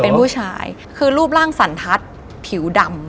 เป็นผู้ชายคือรูปร่างสันทัศน์ผิวดำ